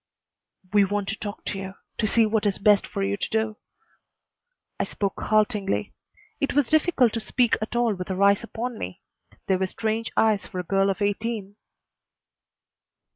"We want to talk to you, to see what is best for you to do." I spoke haltingly. It was difficult to speak at all with her eyes upon me. They were strange eyes for a girl of eighteen.